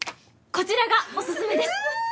こちらがおすすめです！